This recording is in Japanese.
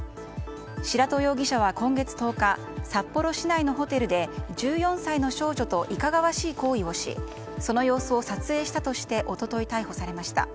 白戸容疑者は今月１０日札幌市内のホテルで１４歳の少女といかがわしい行為をしその様子を撮影したとして一昨日逮捕されました。